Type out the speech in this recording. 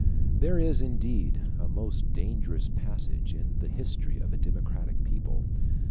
There is, indeed, a most dangerous passage in the history of a democratic people.